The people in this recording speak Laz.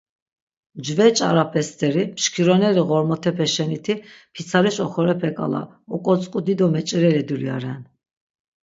Mcve ç̌arape steri mşkironeri ğormotepe şeniti pitsariş oxorepe k̆ala ok̆otzk̆u dido meç̌ireli dulya ren.